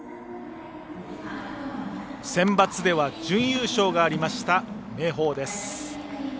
センバツでは準優勝がありました明豊です。